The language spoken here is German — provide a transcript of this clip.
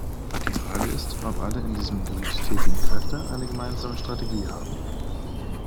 Die Frage ist, ob alle in diesem Gebiet tätigen Kräfte eine gemeinsame Strategie haben.